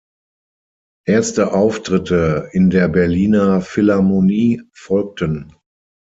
Erste Auftritte in der Berliner Philharmonie folgten.